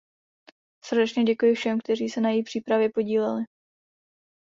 Srdečně děkuji všem, kteří se na její přípravě podíleli.